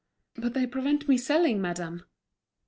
"But they prevent me selling, madame."